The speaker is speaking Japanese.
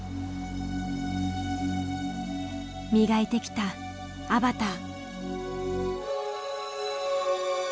磨いてきた「アバター」。